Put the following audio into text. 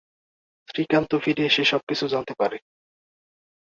শ্রীকান্ত ফিরে এসে সবকিছু জানতে পারে।